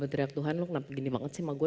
berteriak tuhan lo kenapa gini banget sih sama gue